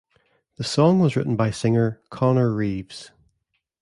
The song was written by singer Conner Reeves.